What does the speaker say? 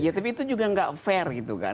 ya tapi itu juga nggak fair gitu kan